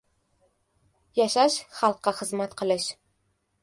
• Yashash — xalqqa xizmat qilish.